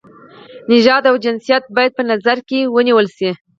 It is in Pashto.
نژاد او جنسیت باید په نظر کې ونه نیول شي.